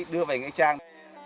đưa về nghĩa trang